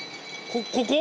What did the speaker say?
ここ？